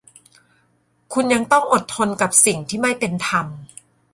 คุณยังต้องอดทนกับสิ่งที่ไม่เป็นธรรม